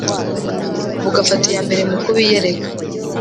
bugafata iya mbere mu kubiyereka